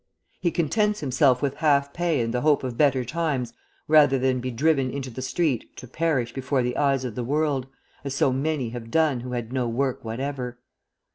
He contents himself with half pay and the hope of better times rather than be driven into the street to perish before the eyes of the world, as so many have done who had no work whatever.